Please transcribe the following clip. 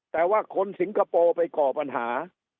แต่ว่าคนสิงคโปร์ไปก่อปัญหา